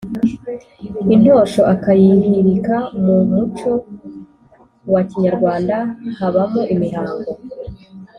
intosho akayihirikamu muco wa Kinyarwanda habamo imihango